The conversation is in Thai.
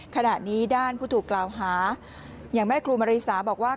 ขณะนี้ด้านผู้ถูกกล่าวหาอย่างแม่ครูมาริสาบอกว่า